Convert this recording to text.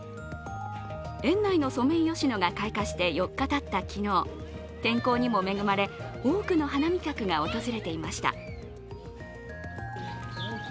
園内のソメイヨシノが開花して４日たった昨日天候にも恵まれ多くの花見客が訪れていました。